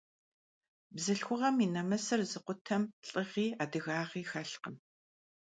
Bzılhxuğem yi nemısır zıkhutem, lh'ıği, adıgaği xelhkhım.